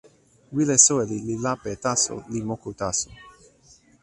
wile soweli li lape taso li moku taso.